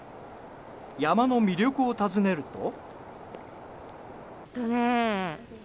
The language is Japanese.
山の魅力を尋ねると。